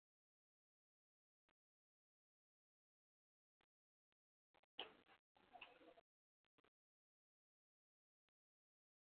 Bayite oyogeremu nabo olabe.